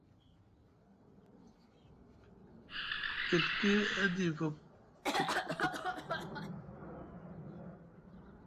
Keɵke a diva kupuɗ kupuɗ.